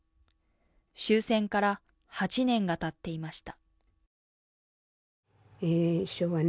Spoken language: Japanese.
終戦から８年がたっていました。